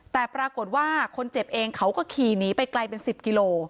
แต่ปรากฏว่าคนเจ็บเองเขาก็ขี่หนีไปไกลเป็น๑๐กิโล